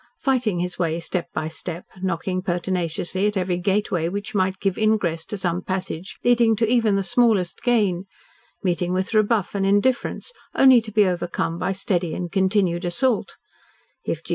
Fighting his way step by step, knocking pertinaciously at every gateway which might give ingress to some passage leading to even the smallest gain, meeting with rebuff and indifference only to be overcome by steady and continued assault if G.